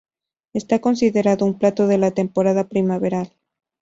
Está considerado un plato de la temporada primaveral.